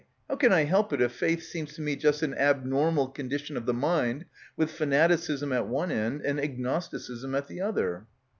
How can I help it if faith seems to me just an abnormal condition of the mind with fanaticism at one end and agnosti cism at the other?"